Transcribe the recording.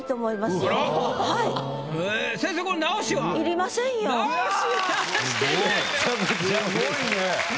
すごいね。